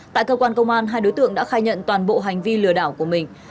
tại cơ quan công an hai đối tượng đã khai nhận toàn bộ hành vi lừa đảo của mình